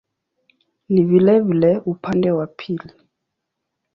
Ni vilevile upande wa pili.